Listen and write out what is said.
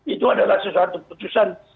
itu adalah keputusan